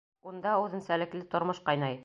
Унда үҙенсәлекле тормош ҡайнай.